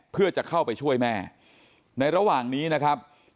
เพื่อจะเข้าไปช่วยแม่ในระหว่างนี้นะครับ